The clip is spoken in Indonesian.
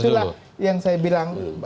jadi itulah yang saya bilang